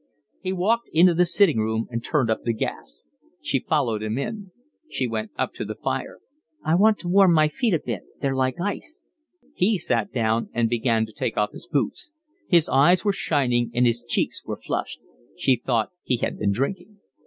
He walked into the sitting room and turned up the gas. She followed him in. She went up to the fire. "I want to warm my feet a bit. They're like ice." He sat down and began to take off his boots. His eyes were shining and his cheeks were flushed. She thought he had been drinking.